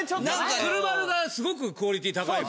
ツルマルがすごくクオリティー高い分。